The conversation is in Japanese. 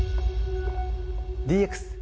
ＤＸ